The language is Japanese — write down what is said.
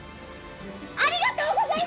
ありがとうございます！